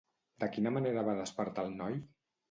De quina manera va despertar el noi?